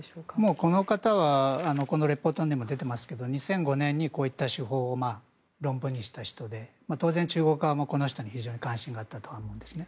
この方はこのレポートにも出てますが、２００５年にこういった手法を論文にした人で当然、中国側も非常に関心があったと思います。